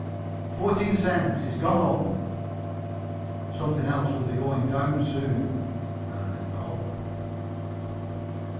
"Fourteen cents. It's gone up." "Something else will be going down soon," murmured Bob.